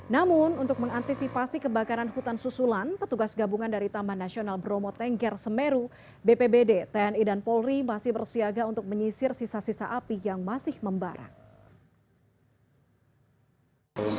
namun untuk mengantisipasi kebakaran hutan susulan petugas gabungan dari taman nasional bromo tengger semeru bpbd tni dan polri masih bersiaga untuk menyisir sisa sisa api yang masih membarak